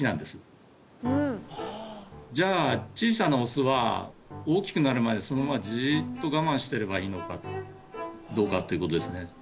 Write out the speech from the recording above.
じゃあ小さなオスは大きくなるまでそのままじっとがまんしてればいいのかどうかっていうことですね。